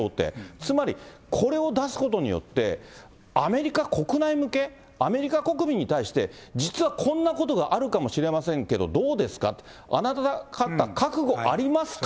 つまりこれを出すことによって、アメリカ国内向け、アメリカ国民に対して、実はこんなことがあるかもしれませんけどどうですか、あなた方、覚悟ありますか？